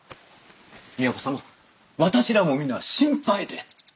都様私らも皆心配で。